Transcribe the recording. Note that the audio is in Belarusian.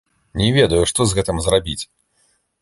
Не ведаю, што з гэтым зрабіць.